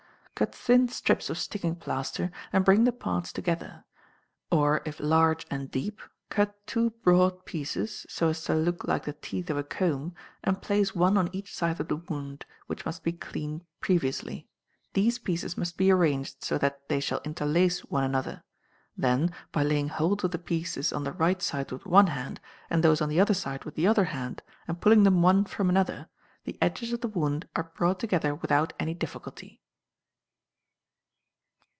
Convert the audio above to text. Cut thin strips of sticking plaster, and bring the parts together; or if large and deep, cut two broad pieces, so as to look like the teeth of a comb, and place one on each side of the wound, which must be cleaned previously. These pieces must be arranged so that they shall interlace one another; then, by laying hold of the pieces on the right side with one hand, and those on the other side with the other hand, and pulling them from one another, the edges of the wound are brought together without any difficulty.